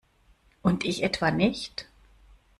Und ich etwa nicht?